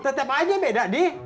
tetep aja beda dih